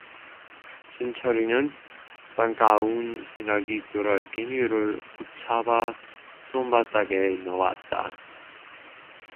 신철이는 반가운 생각이 들어 개미를 붙잡아 손바닥에 놓았다.